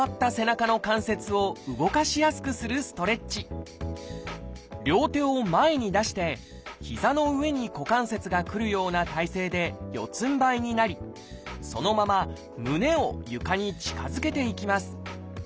最初は固まった両手を前に出して膝の上に股関節がくるような体勢で四つんばいになりそのまま胸を床に近づけていきます。